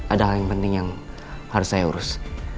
ada hal yang penting yang harus saya urus